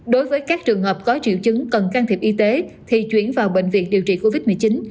đối với các trường hợp có triệu chứng cần can thiệp y tế thì chuyển vào bệnh viện điều trị covid một mươi chín